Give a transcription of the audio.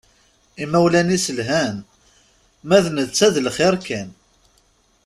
Imawlan-is lhan, ma d netta d lxiṛ kan.